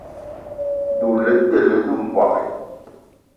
Doula le te lene mbogui.